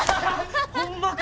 ホンマか！